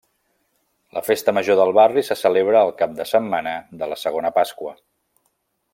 La festa major del barri se celebra el cap de setmana de la segona Pasqua.